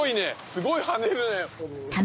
すごい跳ねるね！